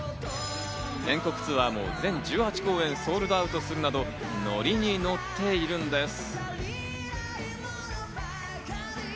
全国ツアーも全１８公演、ソールドアウトするなどノリにノッているんです。